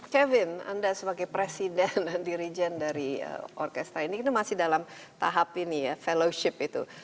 kevin anda sebagai presiden dan dirijen dari orkestra ini kita masih dalam tahap ini ya fellowship itu